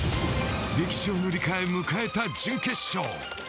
歴史を塗り替え、迎えた準決勝。